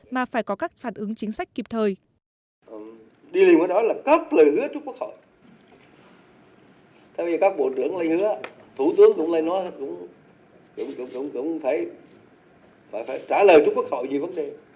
bây giờ các bộ trưởng cũng lấy hứa thủ tướng cũng lấy nói cũng thấy phải trả lời trung quốc hội về vấn đề